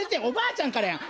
おばあちゃんから。